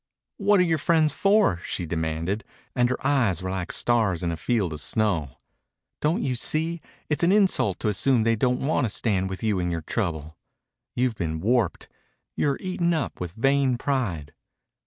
"What are your friends for?" she demanded, and her eyes were like stars in a field of snow. "Don't you see it's an insult to assume they don't want to stand with you in your trouble? You've been warped. You're eaten up with vain pride."